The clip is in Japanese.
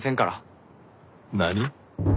何？